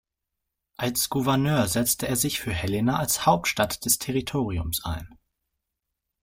Als Gouverneur setzte er sich für Helena als Hauptstadt des Territoriums ein.